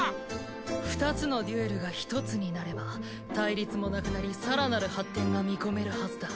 ２つのデュエルが１つになれば対立もなくなり更なる発展が見込めるはずだ。